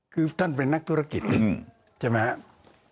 คือท่านเป็นนักธุรกิจใช่ไหมครับ